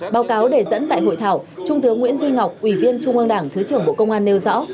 báo cáo đề dẫn tại hội thảo trung tướng nguyễn duy ngọc ủy viên trung ương đảng thứ trưởng bộ công an nêu rõ